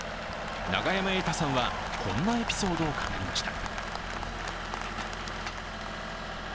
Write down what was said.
永山瑛太さんはこんなエピソードを語りました。